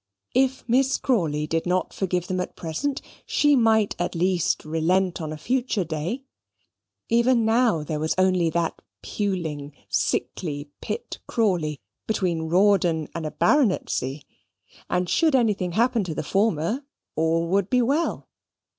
If Miss Crawley did not forgive them at present, she might at least relent on a future day. Even now, there was only that puling, sickly Pitt Crawley between Rawdon and a baronetcy; and should anything happen to the former, all would be well.